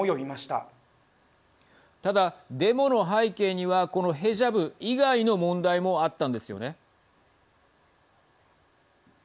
ただ、デモの背景にはこのヘジャブ以外の問題もあったんですよね。